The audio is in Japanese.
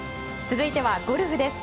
続いてはゴルフです。